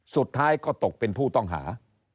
สุดท้ายก็ตกเป็นผู้ต้องหา